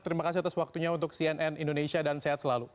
terima kasih atas waktunya untuk cnn indonesia dan sehat selalu